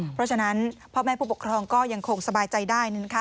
เพราะฉะนั้นพ่อแม่ผู้ปกครองก็ยังคงสบายใจได้